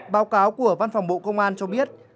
báo cáo của văn phòng bộ công an cho biết